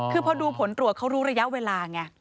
คือพอดูผลตรวจเขารู้ระยะเวลาไง